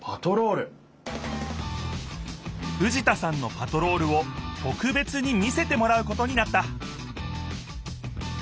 藤田さんのパトロールをとくべつに見せてもらうことになった